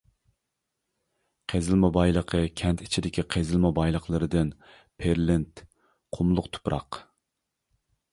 قېزىلما بايلىقى كەنت ئىچىدىكى قېزىلما بايلىقلىرىدىن پېرلىت، قۇملۇق تۇپراق.